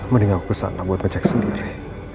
mendingan aku kesana buat ngecek sendiri